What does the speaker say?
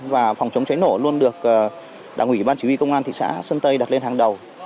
và phòng chống cháy nổ luôn được đảng ủy ban chỉ huy công an thị xã sơn tây đặt lên hàng đầu